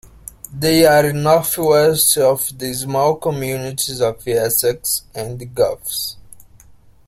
They are northwest of the small communities of Essex and Goffs.